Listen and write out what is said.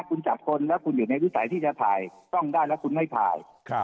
คุณจับคนแล้วคุณอยู่ในวิสัยที่จะถ่ายกล้องได้แล้วคุณไม่ถ่าย